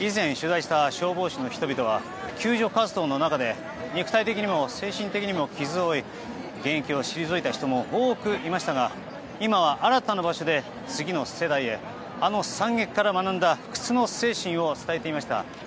以前取材した消防士の人々は救助活動の中で肉体的にも精神的にも傷を負い現役を退いた人も多くいましたが今は新たな場所で次の世代へあの惨劇から学んだ不屈の精神を伝えていました。